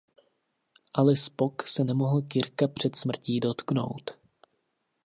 Ale Spock se nemohl Kirka před smrtí dotknout.